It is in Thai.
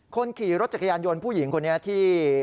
คนขี่รถจักรยานยนต์ผู้หญิงคนนี้ที่